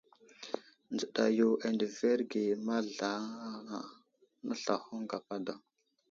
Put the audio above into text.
Nzəɗa yo andəverge mazlaraŋa, nəslahoŋ gapa daw.